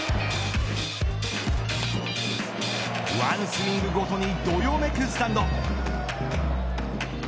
１スイングごとにどよめくスタンド。